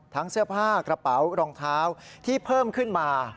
เสื้อผ้ากระเป๋ารองเท้าที่เพิ่มขึ้นมา